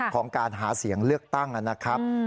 ของการหาเสียงเลือกตั้งนะครับ